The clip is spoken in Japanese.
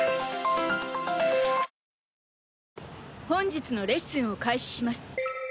本日のレッスンを開始します。